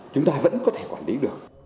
chúng ta vẫn có thể quản lý được